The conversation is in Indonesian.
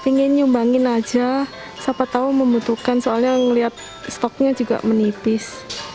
the pingin nyumbangin aja siapa tahu membutuhkan soalnya ngelihat stoknya juga menipis